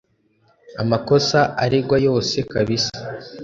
amakosa aregwa yose kabisa